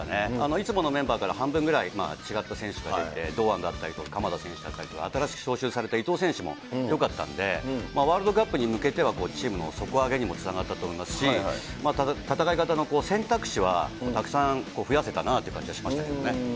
いつものメンバーから半分ぐらい違った選手が出て、堂安だったり鎌田だったりとか、新しく招集されたいとう選手もよかったんで、ワールドカップに向けてはチームの底上げにもつながったと思いますし、戦い方の選択肢はたくさん増やせたなっていう感じしましたけどね。